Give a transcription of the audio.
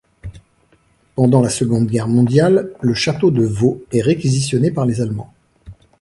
Pendant la Seconde Guerre mondiale, le château de Vaux est réquisitionné par les Allemands.